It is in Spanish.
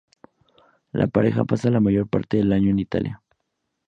La pareja pasa la mayor parte del año en Italia.